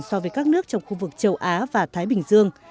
so với các nước trong khu vực châu á và thái bình dương